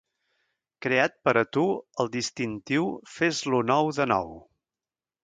Creat per a tu el distintiu "Fes-lo nou de nou".